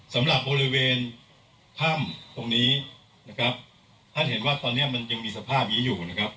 สำหรับบริเวณถ้ำตรงนี้นะครับท่านเห็นว่าตอนนี้มันยังมีสภาพนี้อยู่นะครับ